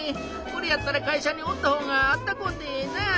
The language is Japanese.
これやったら会社におったほうがあったこうてええなあ。